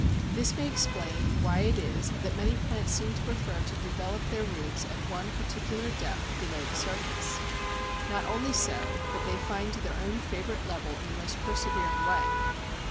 This may explain why it is that many plants seem to prefer to develop their roots at one particular depth below the surface. Not only so, but they find their own favourite level in the most persevering way.